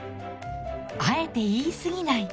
「あえて言い過ぎない」。